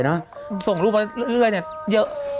มันไม่ทำอะไรแม่มันอยู่เฉย